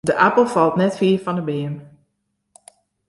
De apel falt net fier fan 'e beam.